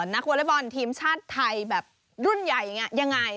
นักวอลเล็กบอลทีมชาติไทยแบบรุ่นใหญ่ยังไง